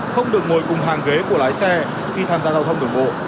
không được ngồi cùng hàng ghế của lái xe khi tham gia giao thông đường bộ